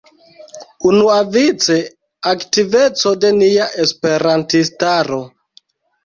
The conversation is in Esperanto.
Unuavice aktiveco de nia esperantistaro.